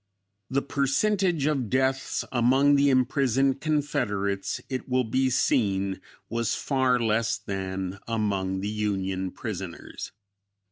The percentage of deaths among the imprisoned Confederates, it will be seen, was far less than among the Union prisoners.